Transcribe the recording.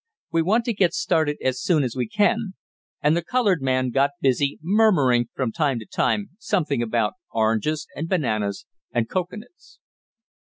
We want to get started as soon as we can," and the colored man got busy, murmuring from time to time something about oranges and bananas and cocoanuts.